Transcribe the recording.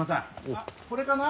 あっこれかな？